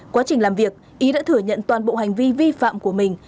quá trình làm việc ý đã thừa nhận toàn bộ hành vi vi phạm của mình